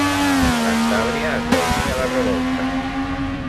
Cantàbria es va unir a la revolta.